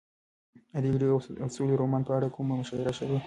ایا د جګړې او سولې رومان په اړه کومه مشاعره شوې؟